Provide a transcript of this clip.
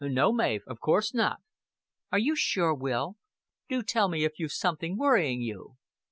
"No, Mav, of course not." "Are you sure, Will? Do tell me if you've something worrying you."